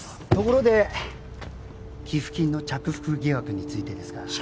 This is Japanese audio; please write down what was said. ところで寄付金の着服疑惑についてですが。